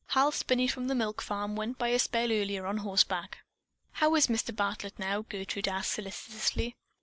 Hal Spinney, from the milk farm, went by a spell earlier on horseback." "How is Mr. Bartlett now?" Gertrude asked solicitously.